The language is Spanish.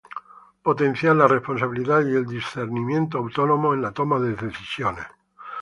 Potenciar la responsabilidad y el discernimiento autónomo en la toma de decisiones.